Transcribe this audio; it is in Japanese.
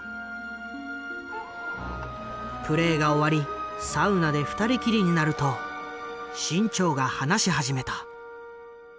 プレーが終わりサウナで２人きりになると志ん朝が話し始めた。